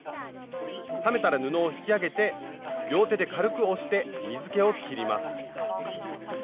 冷めたら布を引き上げて両手で軽く押して水けをきります。